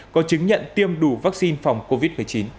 có chứng nhận tiêm đủ vaccine phòng covid một mươi chín